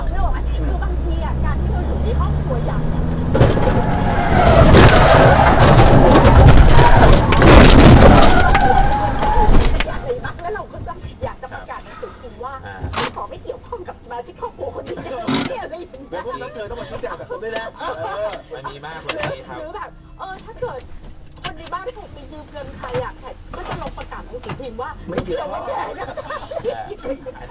บางทีคือการแทนได้อยู่หน้าครอบครัวใหญ่